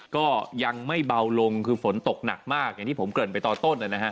ก็ยังไม่เบาลงคือฝนตกหนักมากอย่างที่ผมเกริ่นไปตอนต้นนะฮะ